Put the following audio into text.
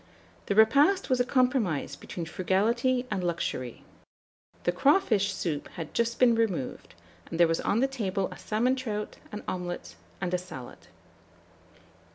The repast was a compromise between frugality and luxury. The crawfish soup had just been removed, and there was on the table a salmon trout, an omelet, and a salad.